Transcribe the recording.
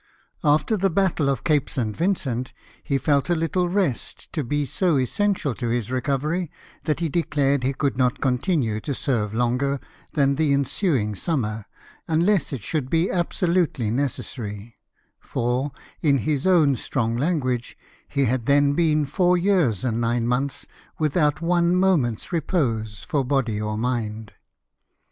After the battle of Cape St. Vincent he felt a little rest to be so essential to his recovery that he declared he could not continue to serve longer than the ensuing summer unless it should be absolutely necessary ; for, in his own strong language, he had then been four years and nine months without one moment's repose for bodv or mind.